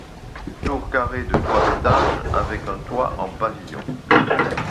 Tour carrée de trois étages avec un toit en pavillon.